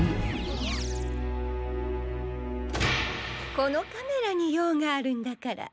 このカメラにようがあるんだから。